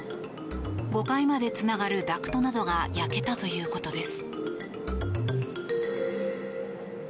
５階までつながるダクトなどが焼けたということです。